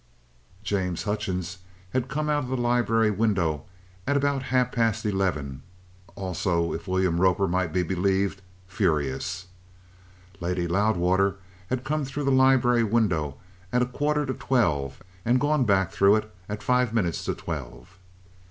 James Hutchings had come out of the library window at about half past eleven, also, if William Roper might be believed, furious. Lady Loudwater had come through the library window at a quarter to twelve, and gone back through it at five minutes to twelve.